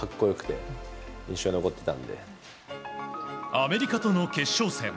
アメリカとの決勝戦。